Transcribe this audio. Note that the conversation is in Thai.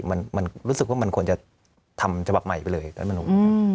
มันรู้สึกว่ามันควรจะทำฉบับใหม่ไปเลยรัฐมนุน